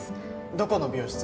どこの病室？